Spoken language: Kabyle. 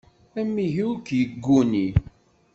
Amihi ur k-yegguni.